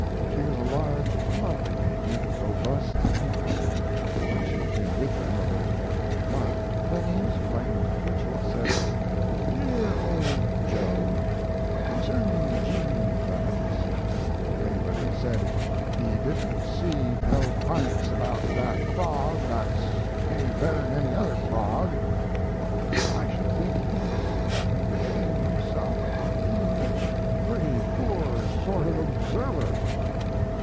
She was a large, lovely baby, robust and happy. When she had been with them a little more than a month Clemens, writing to Twichell, said: DEAR OLD JOE, Concerning Jean Clemens, if anybody said he "didn't see no pints about that frog that's any better'n any other frog," I should think he was convicting himself of being a pretty poor sort of observer.